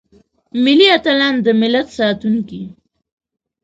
ملي اتلان دملت ساتونکي.